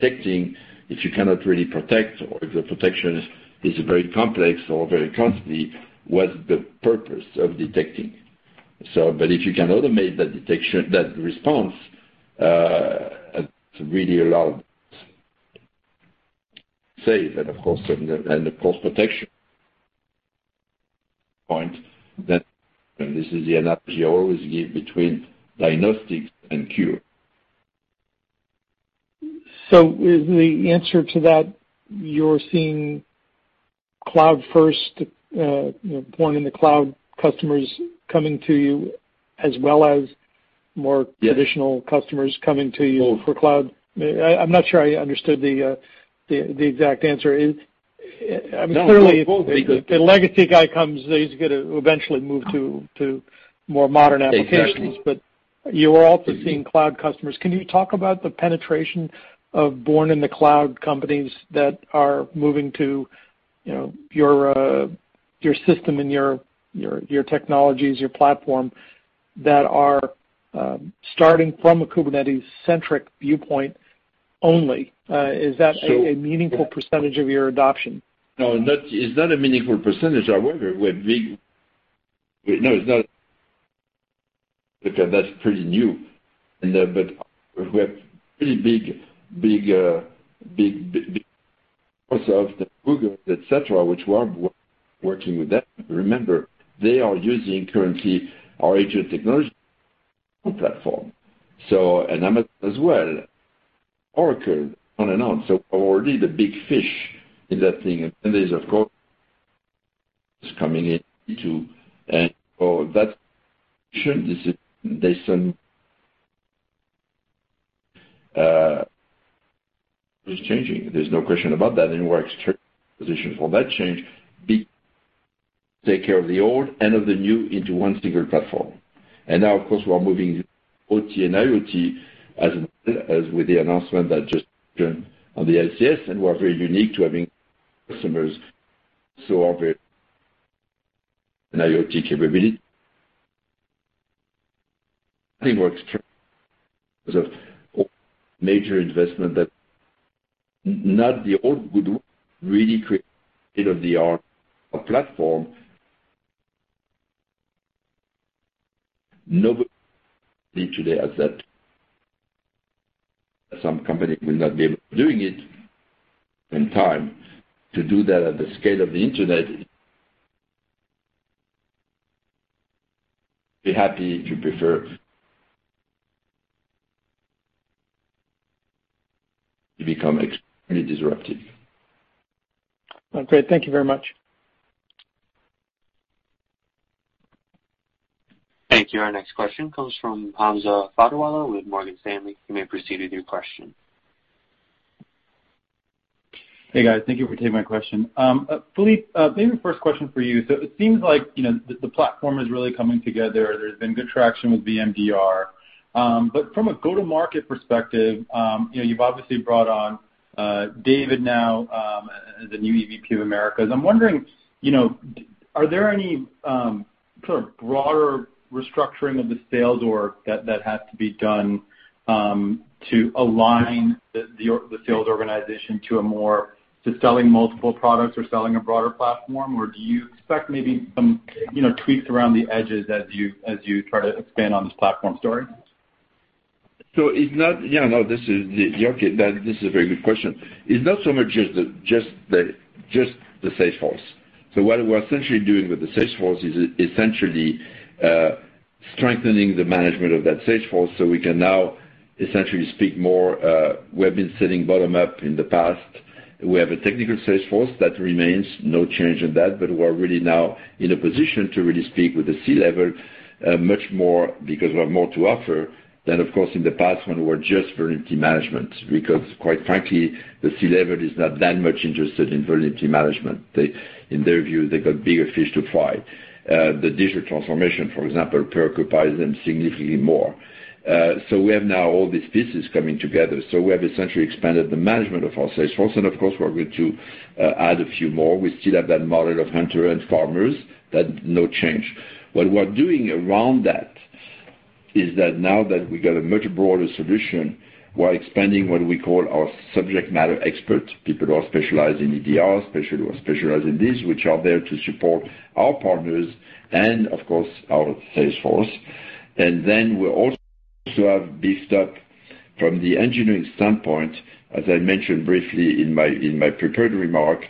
detecting if you cannot really protect or if the protection is very complex or very costly, what's the purpose of detecting? If you can automate that detection, that response, it's really allowed save and of course, protection point that this is the analogy I always give between diagnostics and cure. Is the answer to that you're seeing cloud-first, born in the cloud customers coming to you as well as? Yes traditional customers coming to you for cloud? I'm not sure I understood the exact answer is. No. Both. Clearly, if the legacy guy comes, he's going to eventually move to more modern applications. Exactly. You're also seeing cloud customers. Can you talk about the penetration of born in the cloud companies that are moving to your system and your technologies, your platform that are starting from a Kubernetes-centric viewpoint only? Is that a meaningful percentage of your adoption? No, it's not a meaningful percentage. That's pretty new. We have pretty big customers that Google, et cetera, which we're working with them. Remember, they are using currently our agent technology platform and Amazon as well, Oracle, on and on. Already the big fish in that thing. There's, of course, coming in too. That should, It's changing. There's no question about that. We're extremely positioned for that change. Take care of the old and of the new into one single platform. Now, of course, we are moving OT and IoT as with the announcement that just on the ICS, and we're very unique to having customers so are very an IoT capability. I think we're extremely major investment that not the old guard really create state-of-the-art platform. Nobody today has that. Some company will not be able doing it in time to do that at the scale of the Internet. Be happy if you prefer to become extremely disruptive. Okay. Thank you very much. Thank you. Our next question comes from Hamza Fodderwala with Morgan Stanley. You may proceed with your question. Hey, guys. Thank you for taking my question. Philippe, maybe the first question for you. It seems like the platform is really coming together. There's been good traction with VMDR. From a go-to-market perspective, you've obviously brought on David now as the new EVP of Americas. I'm wondering, are there any sort of broader restructuring of the sales org that has to be done to align the sales organization to selling multiple products or selling a broader platform? Do you expect maybe some tweaks around the edges as you try to expand on this platform story? This is a very good question. It's not so much just the sales force. What we're essentially doing with the sales force is essentially strengthening the management of that sales force so we can now essentially speak more. We have been selling bottom-up in the past. We have a technical sales force that remains, no change in that. We're really now in a position to really speak with the C-level much more because we have more to offer than, of course, in the past when we were just vulnerability management. Quite frankly, the C-level is not that much interested in vulnerability management. In their view, they got bigger fish to fry. The digital transformation, for example, preoccupies them significantly more. We have now all these pieces coming together. We have essentially expanded the management of our sales force, and of course, we're going to add a few more. We still have that model of hunter and farmers, no change. What we're doing around that is that now that we got a much broader solution, we're expanding what we call our subject matter experts, people who are specialized in EDR, specialized in this, which are there to support our partners and, of course, our sales force. Then we also have beefed up from the engineering standpoint, as I mentioned briefly in my prepared remark,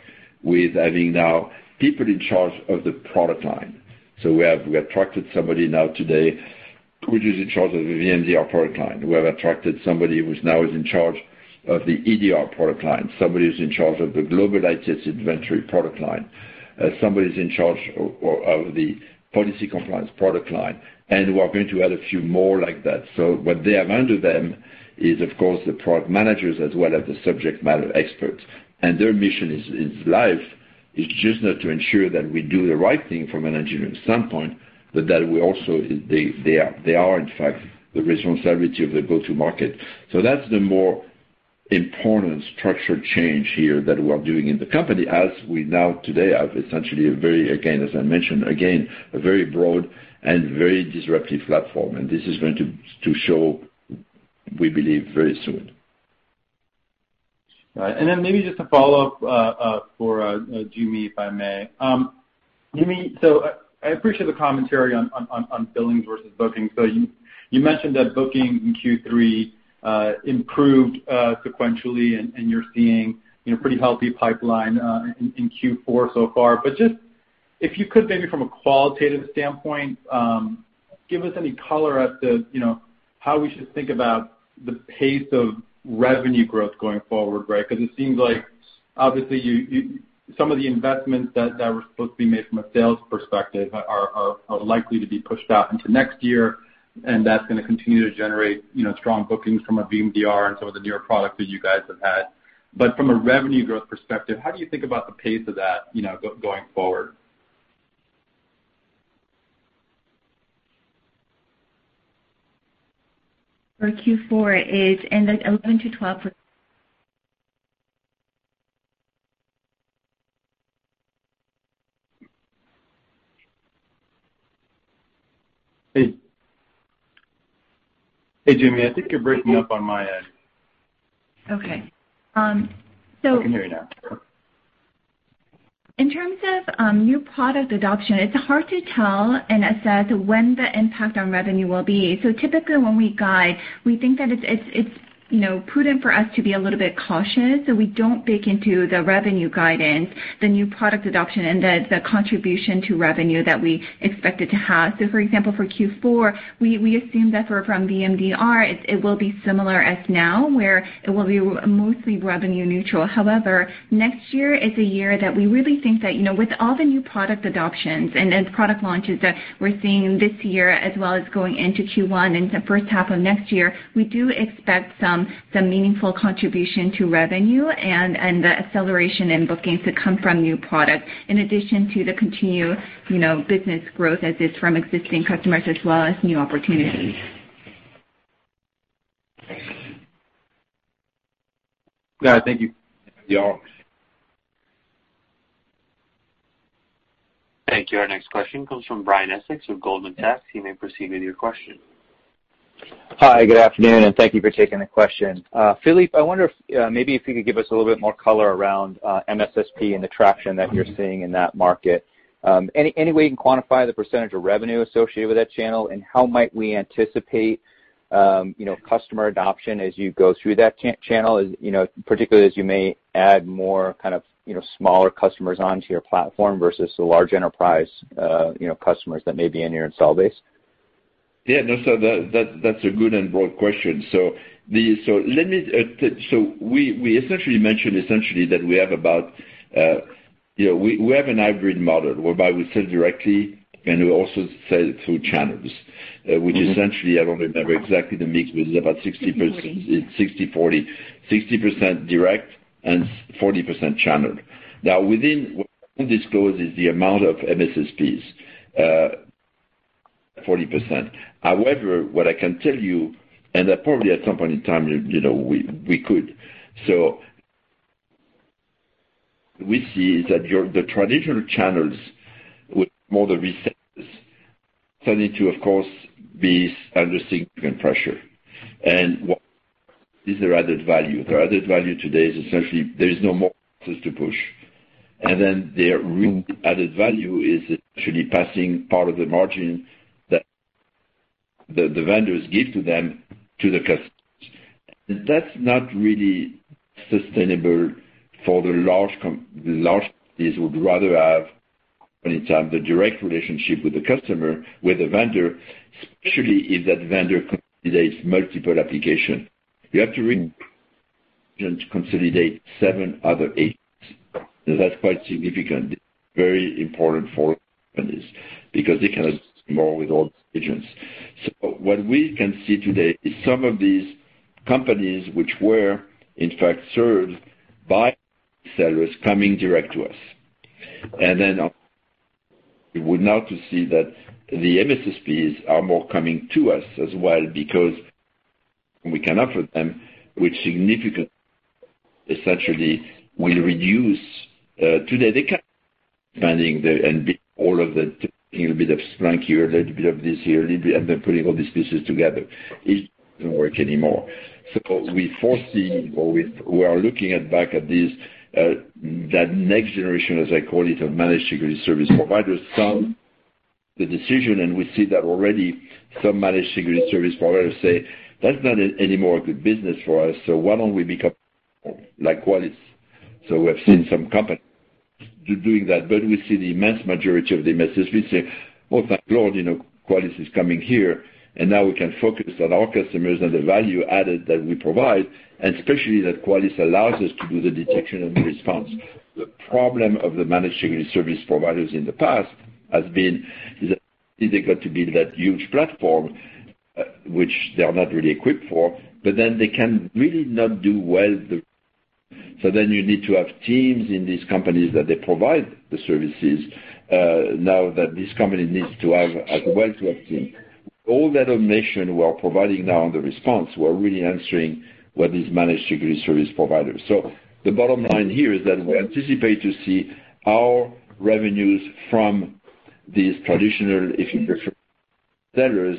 with having now people in charge of the product line. We have attracted somebody now today who is in charge of the VMDR product line. We have attracted somebody who now is in charge of the EDR product line, somebody who's in charge of the Global IT Asset Inventory product line, somebody's in charge of the Policy Compliance product line. We are going to add a few more like that. What they have under them is, of course, the product managers as well as the subject matter experts. Their mission in life is just not to ensure that we do the right thing from an engineering standpoint, but that they are, in fact, the responsibility of the go-to market. That's the more important structural change here that we are doing in the company as we now, today, have essentially a very, again, as I mentioned, a very broad and very disruptive platform. This is going to show, we believe, very soon. Right. Maybe just a follow-up for Joo Mi, if I may. Joo Mi, I appreciate the commentary on billings versus bookings. You mentioned that booking in Q3 improved sequentially, and you're seeing a pretty healthy pipeline in Q4 so far. If you could maybe from a qualitative standpoint, give us any color as to how we should think about the pace of revenue growth going forward, right? It seems like obviously some of the investments that were supposed to be made from a sales perspective are likely to be pushed out into next year, and that's going to continue to generate strong bookings from a VMDR and some of the newer products that you guys have had. From a revenue growth perspective, how do you think about the pace of that going forward? For Q4 is in the 11 to 12- Hey, Joo Mi, I think you're breaking up on my end. Okay. I can hear you now. In terms of new product adoption, it's hard to tell and assess when the impact on revenue will be. Typically when we guide, we think that it's prudent for us to be a little bit cautious, so we don't bake into the revenue guidance, the new product adoption, and the contribution to revenue that we expect it to have. For example, for Q4, we assume that from VMDR, it will be similar as now, where it will be mostly revenue neutral. However, next year is a year that we really think that, with all the new product adoptions and product launches that we're seeing this year, as well as going into Q1 and the first half of next year, we do expect some meaningful contribution to revenue and the acceleration in bookings to come from new products, in addition to the continued business growth as is from existing customers as well as new opportunities. Got it. Thank you. Yeah. Thank you. Our next question comes from Brian Essex with Goldman Sachs. You may proceed with your question. Hi, good afternoon, and thank you for taking the question. Philippe, I wonder if maybe if you could give us a little bit more color around MSSP and the traction that you're seeing in that market. Any way you can quantify the % of revenue associated with that channel, and how might we anticipate customer adoption as you go through that channel, particularly as you may add more kind of smaller customers onto your platform versus the large enterprise customers that may be in your install base? Yeah, no, that's a good and broad question. We essentially mentioned that we have an hybrid model whereby we sell directly and we also sell through channels, which essentially, I don't remember exactly the mix, but it's about 60- 60/40 It's 60/40. 60% direct and 40% channel. Now, within what we disclose is the amount of MSSPs, 40%. However, we see that the traditional channels with more of the resellers starting to, of course, be under significant pressure. What is their added value? Their added value today is essentially there is no more to push. Their real added value is actually passing part of the margin that the vendors give to them to the customers. That's not really sustainable for the large companies would rather have, many times, the direct relationship with the customer, with the vendor, especially if that vendor consolidates multiple applications. You have to consolidate seven other agents. That's quite significant. Very important for companies, because they can adjust more with all agents. What we can see today is some of these companies which were, in fact, served by sellers coming direct to us. Obviously, we would now like to see that the MSSPs are more coming to us as well, because we can offer them, which significant, essentially will reduce. Today, they can't find the, and be all of the little bit of Splunk here, a little bit of this here, and then putting all these pieces together. It doesn't work anymore. We foresee, or we are looking at back at this, that next generation, as I call it, of managed security service providers, some the decision, and we see that already some managed security service providers say, "That's not anymore a good business for us, so why don't we become like Qualys?" We have seen some companies doing that, but we see the immense majority of the MSSP say, "Oh, thank Lord, Qualys is coming here, and now we can focus on our customers and the value added that we provide, and especially that Qualys allows us to do the detection and response." The problem of the managed security service providers in the past has been that they've got to build that huge platform, which they are not really equipped for. You need to have teams in these companies that they provide the services, now that this company needs to have as well to have team. All that automation we are providing now and the response, we're really answering what is managed security service providers. The bottom line here is that we anticipate to see our revenues from these traditional, if you prefer, sellers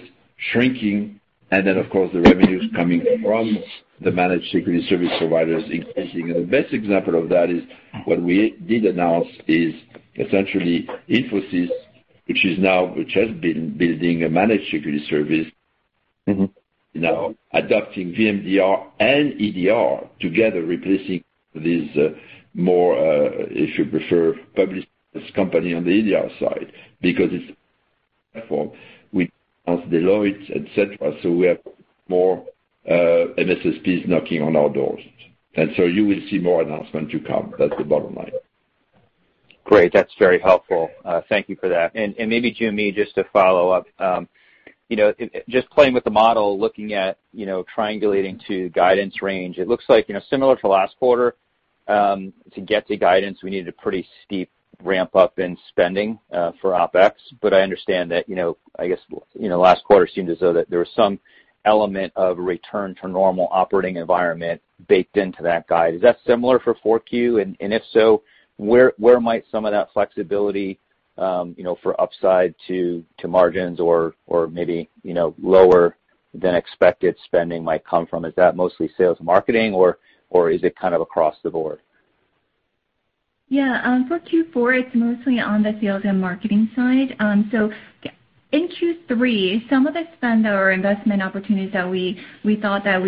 shrinking, and then of course, the revenues coming from the managed security service providers increasing. The best example of that is what we did announce is essentially Infosys, which has been building a managed security service, now adopting VMDR and EDR together, replacing these more, if you prefer, public company on the EDR side because it's platform with us, Deloitte, et cetera. We have more MSSPs knocking on our doors. You will see more announcement to come. That's the bottom line. Great. That's very helpful. Thank you for that. Maybe, Joo Mi, just to follow up. Just playing with the model, looking at triangulating to guidance range, it looks like similar to last quarter, to get to guidance, we need a pretty steep ramp-up in spending for OpEx. I understand that, I guess, last quarter seemed as though that there was some element of return to normal operating environment baked into that guide. Is that similar for 4Q? If so, where might some of that flexibility, for upside to margins or maybe lower than expected spending might come from? Is that mostly sales and marketing, or is it kind of across the board? For Q4, it's mostly on the sales and marketing side. In Q3, some of the spend or investment opportunities that we thought that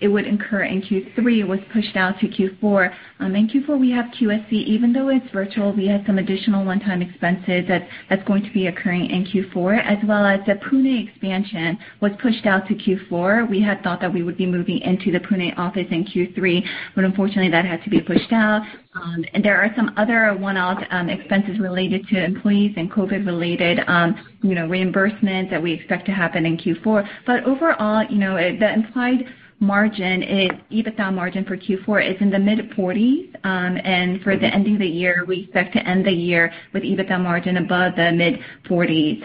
it would incur in Q3 was pushed out to Q4. In Q4, we have QSC, even though it's virtual, we have some additional one-time expenses that's going to be occurring in Q4, as well as the Pune expansion was pushed out to Q4. We had thought that we would be moving into the Pune office in Q3, but unfortunately, that had to be pushed out. There are some other one-off expenses related to employees and COVID related reimbursement that we expect to happen in Q4. Overall, the implied margin, EBITDA margin for Q4 is in the mid-40s. For the ending of the year, we expect to end the year with EBITDA margin above the mid-40s.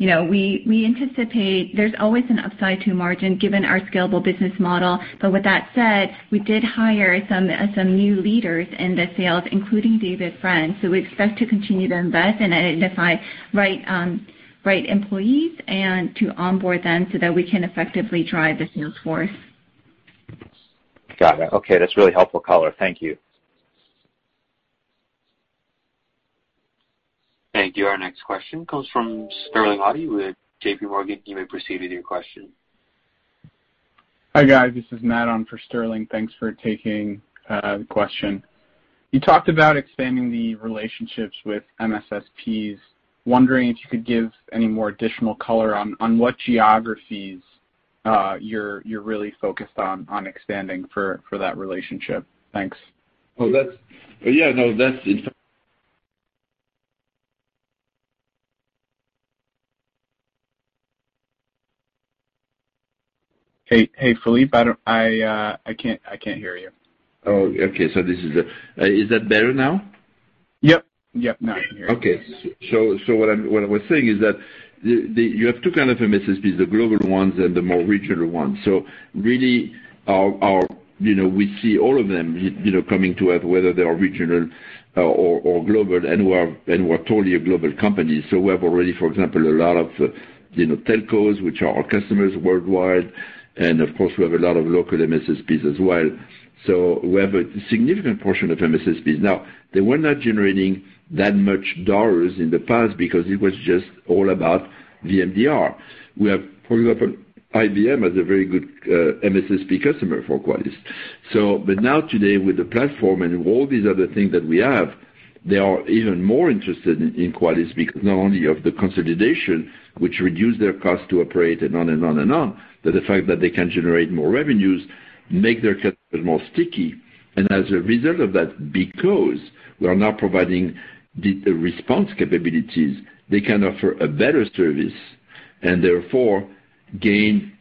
We anticipate there's always an upside to margin given our scalable business model. With that said, we did hire some new leaders in the sales, including David French. We expect to continue to invest and identify right employees and to onboard them so that we can effectively drive the sales force. Got it. Okay. That's really helpful color. Thank you. Thank you. Our next question comes from Sterling Auty with JPMorgan. You may proceed with your question. Hi, guys. This is Matt on for Sterling. Thanks for taking the question. You talked about expanding the relationships with MSSPs. Wondering if you could give any more additional color on what geographies you're really focused on expanding for that relationship. Thanks. Well, that's Yeah, no. Hey, Philippe. I can't hear you. Oh, okay. Is that better now? Yep. Now I can hear you. Okay. What I was saying is that you have two kind of MSSPs, the global ones and the more regional ones. Really, we see all of them coming to us, whether they are regional or global, and we're totally a global company. We have already, for example, a lot of telcos, which are our customers worldwide, and of course, we have a lot of local MSSPs as well. We have a significant portion of MSSPs. They were not generating that much dollars in the past because it was just all about VMDR. We have, for example, IBM as a very good MSSP customer for Qualys. Now today, with the platform and all these other things that we have, they are even more interested in Qualys because not only of the consolidation, which reduce their cost to operate and on and on and on, but the fact that they can generate more revenues, make their customers more sticky. As a result of that, because we are now providing the response capabilities, they can offer a better service and therefore gain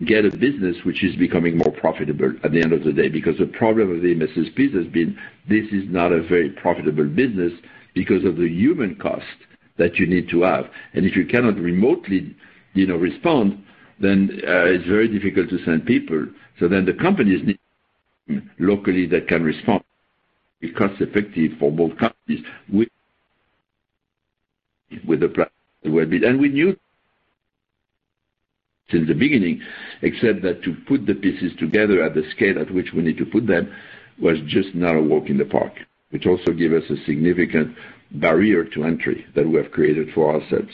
a business which is becoming more profitable at the end of the day. The problem with the MSPs has been, this is not a very profitable business because of the human cost that you need to have. If you cannot remotely respond, then it's very difficult to send people. The companies need locally that can respond. Be cost effective for both companies. Well, we knew since the beginning, except that to put the pieces together at the scale at which we need to put them was just not a walk in the park, which also give us a significant barrier to entry that we have created for ourselves.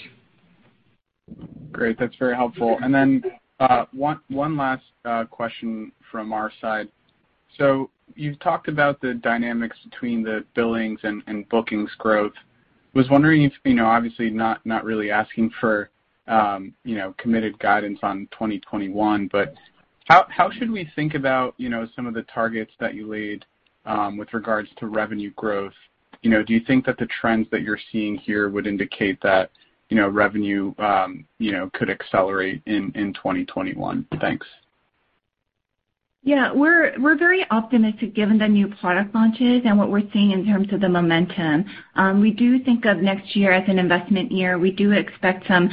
Great. That's very helpful. One last question from our side. You've talked about the dynamics between the billings and bookings growth. I was wondering if, obviously, not really asking for committed guidance on 2021, how should we think about some of the targets that you laid with regards to revenue growth? Do you think that the trends that you're seeing here would indicate that revenue could accelerate in 2021? Thanks. We're very optimistic given the new product launches and what we're seeing in terms of the momentum. We do think of next year as an investment year. We do expect some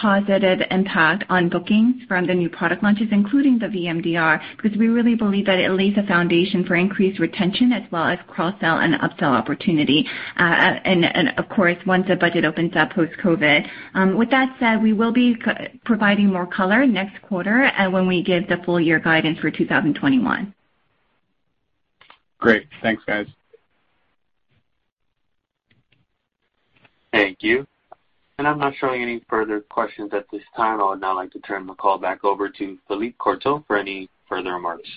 positive impact on bookings from the new product launches, including the VMDR, because we really believe that it lays a foundation for increased retention as well as cross-sell and upsell opportunity. Of course, once the budget opens up post-COVID-19. With that said, we will be providing more color next quarter when we give the full year guidance for 2021. Great. Thanks, guys. Thank you. I'm not showing any further questions at this time. I would now like to turn the call back over to Philippe Courtot for any further remarks.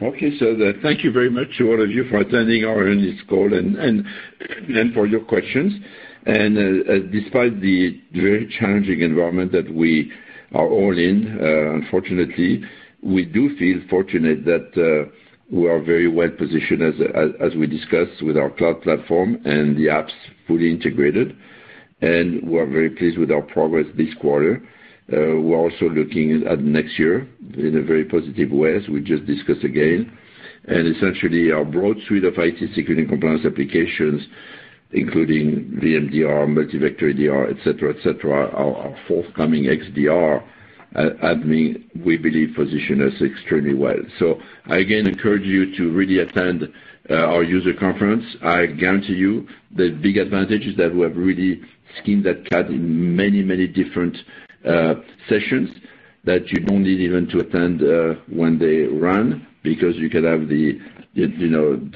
Thank you very much to all of you for attending our earnings call and for your questions. Despite the very challenging environment that we are all in, unfortunately, we do feel fortunate that we are very well-positioned, as we discussed with our cloud platform and the apps fully integrated, and we're very pleased with our progress this quarter. We're also looking at next year in a very positive way, as we just discussed again. Our broad suite of IT security and compliance applications, including VMDR, Multi-Vector EDR, et cetera. Our forthcoming XDR, admin, we believe, position us extremely well. I, again, encourage you to really attend our user conference. I guarantee you the big advantage is that we have really skinned that cat in many different sessions that you don't need even to attend when they run, because you can have the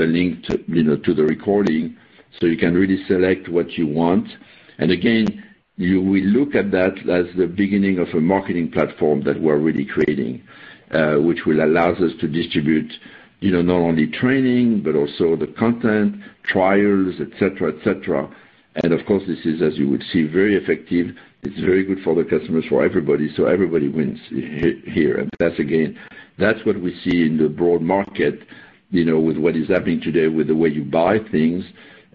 link to the recording, you can really select what you want. Again, you will look at that as the beginning of a marketing platform that we're really creating, which will allows us to distribute not only training, but also the content, trials, et cetera. Of course, this is, as you would see, very effective. It's very good for the customers, for everybody wins here. That's again, that's what we see in the broad market, with what is happening today, with the way you buy things.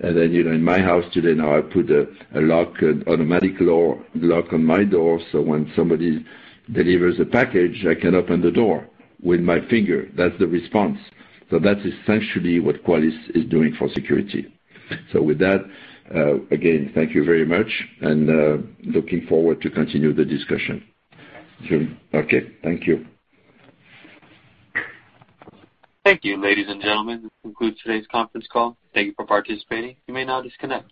In my house today now I put a lock, an automatic lock on my door, so when somebody delivers a package, I can open the door with my finger. That's the response. That's essentially what Qualys is doing for security. With that, again, thank you very much, and looking forward to continue the discussion. Okay. Thank you. Thank you. Ladies and gentlemen, this concludes today's conference call. Thank you for participating. You may now disconnect.